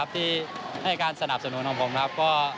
ที่ให้การสนับสนุนของผมครับ